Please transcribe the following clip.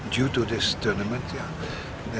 disebabkan turnamen ini